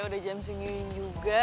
udah jam singin juga